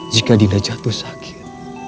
jika dinda jatuh sakit